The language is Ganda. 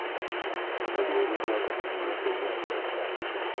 Buli ebikwata ku mulwadde biba bya kyama.